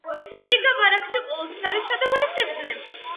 იგავ არაკში ყოველთვის არის ჩადებული სიბრძნე.